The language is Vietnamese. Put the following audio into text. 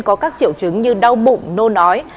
có các triệu chứng như đau bụng nôn ói